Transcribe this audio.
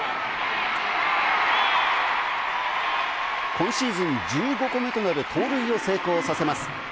今シーズン１５個目となる盗塁を成功させます。